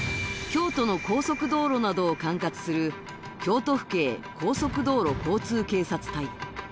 京都の高速道路などを管轄する京都府警高速道路交通警察隊